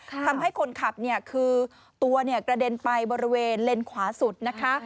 ทำให้คนขับเนี่ยคือตัวกระเด็นไปบริเวณเลนขวาสุดนะคะ